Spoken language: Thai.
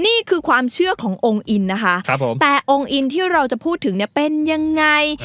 นี่คือความเชื่อขององค์อินนะคะครับผมแต่องค์อินที่เราจะพูดถึงเนี่ยเป็นยังไง